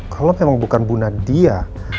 kalau memang bukan bu nadia